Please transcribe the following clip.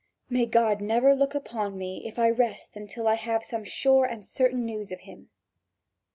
"May God never look upon me, if I rest until I have some sure and certain news of him!"